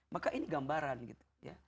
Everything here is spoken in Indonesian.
maka ini gambaran gitu